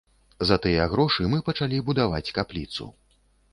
За тыя грошы мы пачалі будаваць капліцу.